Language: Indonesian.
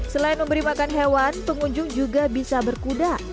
selain memberi makan hewan pengunjung juga bisa berkuda